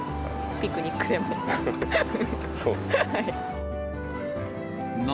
ピクニックでも。